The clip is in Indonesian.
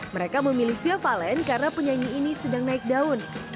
mereka memilih via valen karena penyanyi ini sedang naik daun